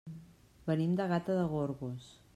Venim de Gata de Gorgos.